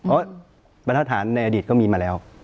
โอ๊ยประธาฐานในอดีตก็มีมาแล้ว